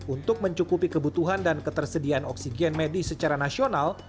untuk mencukupi kebutuhan dan ketersediaan oksigen medis secara nasional